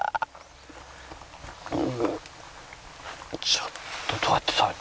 ちょっとどうやって食べる。